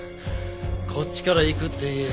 こっちから行くって言え。